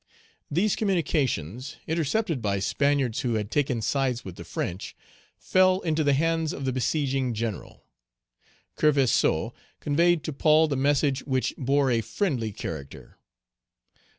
These communications, intercepted by Spaniards who had taken sides with the French, fell into the hands of the besieging general. Kerverseau conveyed to Paul the message which bore a friendly character.